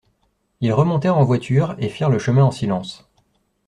Ils remontèrent en voiture et firent le chemin en silence.